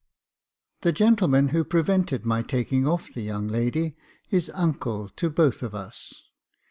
" The gentleman who prevented my taking off the young lady is uncle to both of us.